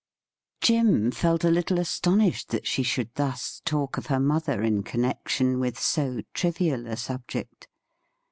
Jim felt a little astonished that she should thus talk of her mother in connection with so trivial a subject.